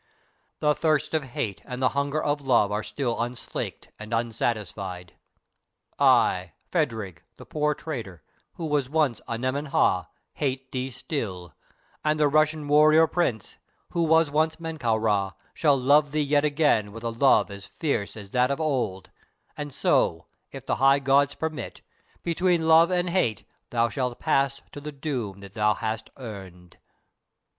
The thirst of hate and the hunger of love are still unslaked and unsatisfied. I, Phadrig, the poor trader, who was once Anemen Ha, hate thee still, and the Russian warrior prince, who was once Menkau Ra, shall love thee yet again with a love as fierce as that of old, and so, if the High Gods permit, between love and hate shalt thou pass to the doom that thou hast earned."